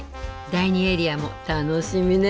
第２エリアも楽しみね。